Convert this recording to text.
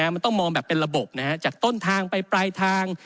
มันต้องมองแบบเป็นระบบจากต้นทางไปปลายทาง